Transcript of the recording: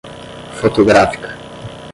fotográfica